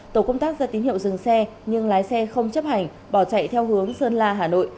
tổ công tác ra tín hiệu dừng xe nhưng lái xe không chấp hành bỏ chạy theo hướng sơn la hà nội